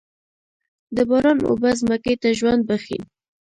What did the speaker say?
د باران اوبه ځمکې ته ژوند بښي.